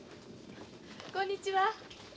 こんにちは。